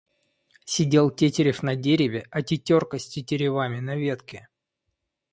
Сидел тетерев на дереве, а тетерка с тетеревами на ветке.